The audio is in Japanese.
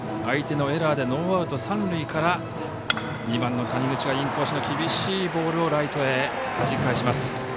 相手のエラーでノーアウト、三塁から２番の谷口はインコースの厳しいボールをライトへはじき返します。